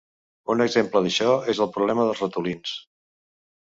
Un exemple d'això és el problema dels ratolins.